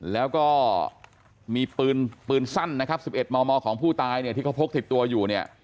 แล้วก็มีปืนสั้นนะครับ๑๑มมของผู้ตายเนี่ยที่เขาพกติดตัวอยู่เนี่ย